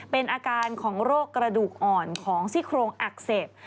เป็นอาการของโรคกระดูกอ่อนของซี่โครงอักเสบ